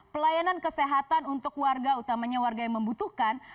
pelayanan kesehatan untuk warga utamanya warga yang membutuhkan